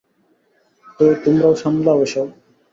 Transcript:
তো তোমরা সামলাও এসব।